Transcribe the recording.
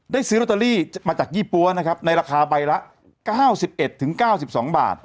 ซื้อลอตเตอรี่มาจากยี่ปั๊วนะครับในราคาใบละ๙๑๙๒บาท